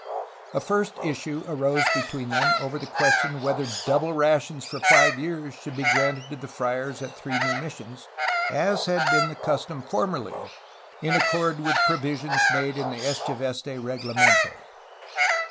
A first issue arose between them over the question whether double rations for five years should be granted to the friars at three new missions, as had been the custom formerly, in accord with provision made in the Echeveste reglamento.